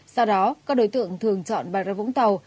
sau đó các đối tượng thường chọn bà ra vũng tàu